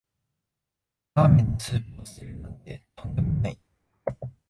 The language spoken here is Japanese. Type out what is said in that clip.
ラーメンのスープを捨てるなんてとんでもない